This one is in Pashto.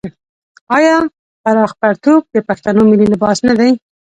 آیا پراخ پرتوګ د پښتنو ملي لباس نه دی؟